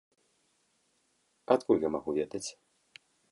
Адкуль я магу ведаць?